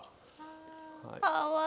かわいい。